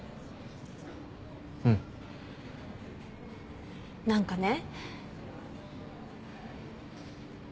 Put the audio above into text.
うん。何かね。